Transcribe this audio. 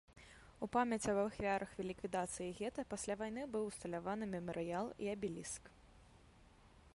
У памяць аб ахвярах ліквідацыі гета пасля вайны быў усталяваны мемарыял і абеліск.